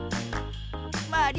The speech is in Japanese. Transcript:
まり。